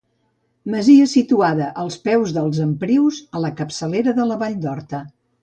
Masia situada als peus dels Emprius, a la capçalera de la vall d'Horta.